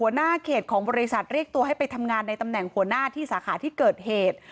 หน้าเขตของบริษัทเรียกตัวให้ไปทำงานในตำแหน่งหัวหน้าที่สาขาที่เกิดเหตุ